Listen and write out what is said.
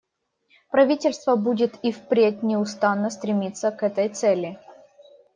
Правительство будет и впредь неустанно стремиться к этой цели.